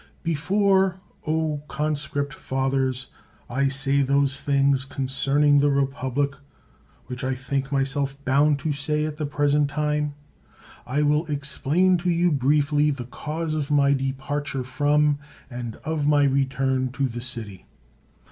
Befores, O conscript fathers, I say those things concerning the republic which I think myself bound to say at the present time, I will explain to you briefly the cause of my departure from, and of my return to the city.